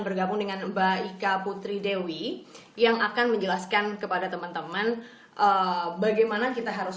bergabung dengan mbak ika putri dewi yang akan menjelaskan kepada teman teman bagaimana kita harus